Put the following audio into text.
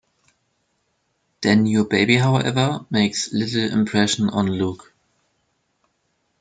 The new baby, however, makes little impression on Luke.